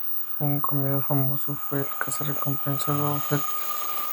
Un "comido" famoso fue el caza recompensas Boba Fett.